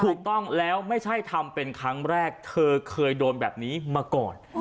ถูกต้องแล้วไม่ใช่ทำเป็นครั้งแรกเธอเคยโดนแบบนี้มาก่อน